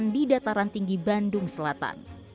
di dataran tinggi bandung selatan